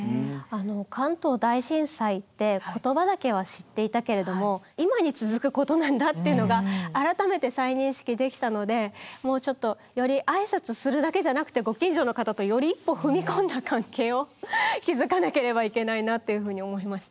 関東大震災って言葉だけは知っていたけれども今に続くことなんだっていうのが改めて再認識できたのでもうちょっとより挨拶するだけじゃなくてご近所の方とより一歩踏み込んだ関係を築かなければいけないなっていうふうに思いました。